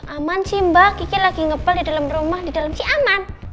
aman sih mbak kiki lagi ngebal di dalam rumah di dalam ki aman